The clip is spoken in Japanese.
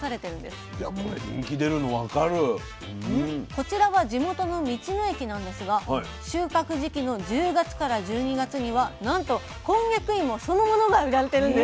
こちらは地元の道の駅なんですが収穫時期の１０月から１２月にはなんとこんにゃく芋そのものが売られてるんです。